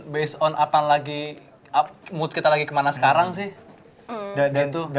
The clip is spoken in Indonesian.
based on mood kita lagi kemana sekarang sih